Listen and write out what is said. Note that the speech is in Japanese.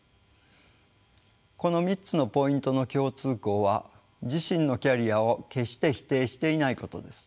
この３つのポイントの共通項は自身のキャリアを決して否定していないことです。